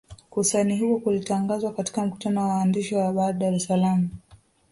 Kusaini huko kulitangazwa katika mkutano wa waandishi wa habari Dar es Salaam